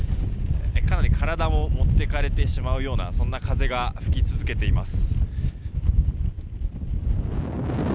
かなり体も持っていかれてしまうような風が吹き続けています。